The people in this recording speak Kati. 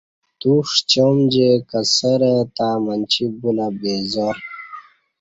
تو ݜیام جے کسہ رہ تہ منچی بولہ بے زا ر